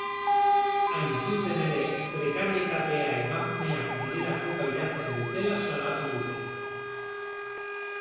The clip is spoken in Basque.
Hain zuzen ere, prekarietatea emakumeak direlako pairatzen dutela salatu dute.